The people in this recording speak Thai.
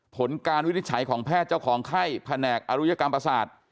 ผลการวินิจฉัยของแพทย์เจ้าของไข้แผนกอรุยกรรมประสาท